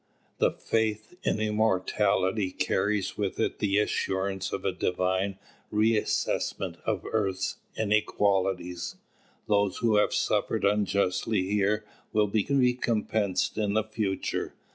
The faith in immortality carries with it the assurance of a Divine reassessment of earth's inequalities. Those who have suffered unjustly here will be recompensed in the future.